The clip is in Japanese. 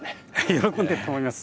喜んでると思います。